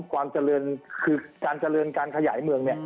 การเจริญการขยายเมือง